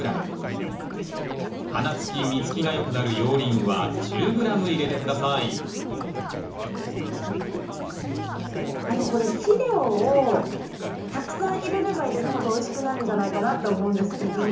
花つき実つきが良くなる熔リンは１０ｇ入れて下さいあのこれ肥料をたくさん入れれば入れるほどおいしくなるんじゃないかなって思うんですけど。